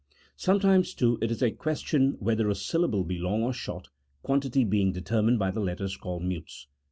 Sometimes, too, it is a question whether a syllable be long or short, quantity being determined by the letters called mutes.